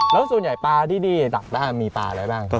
แล้วส่วนใหญ่ปลาที่ดีดักด้านมีปลาอะไรบ้างครับ